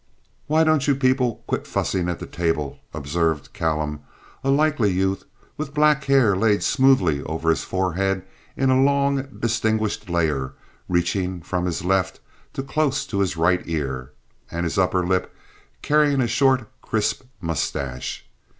"Why don't you people quit fussing at the table?" observed Callum, a likely youth, with black hair laid smoothly over his forehead in a long, distinguished layer reaching from his left to close to his right ear, and his upper lip carrying a short, crisp mustache.